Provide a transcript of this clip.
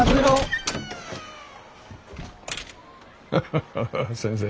ハハハハ先生。